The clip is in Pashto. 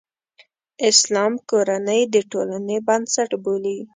اسلام کورنۍ د ټولنې بنسټ بولي.